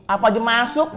apa aja masuk